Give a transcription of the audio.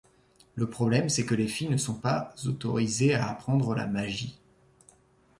Le problème, c'est que les filles ne sont pas autorisées à apprendre la magie.